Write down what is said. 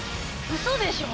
うそでしょ？